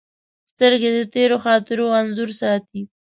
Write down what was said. سترګې د تېرو خاطرو انځور ساتي